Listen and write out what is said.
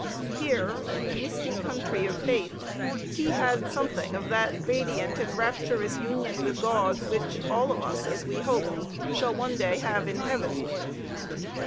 Here, in the misty country of faith, he had something of that radiant and rapturous union with God which all of us, as we hope, shall one day have in heaven.